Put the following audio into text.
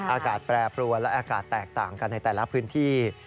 อากาศแปรปรวนและอากาศแตกต่างกันในแต่ละพื้นที่